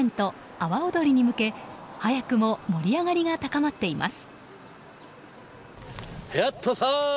阿波踊りに向け早くも盛り上がりが高まっています。